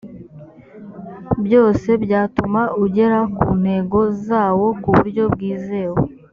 byose byatuma ugera ku ntego zawo ku buryo bwizewe